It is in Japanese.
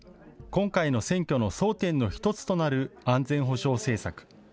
今回の選挙の争点の１つとなる安全保障政策。